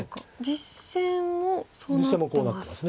実戦もこうなってます。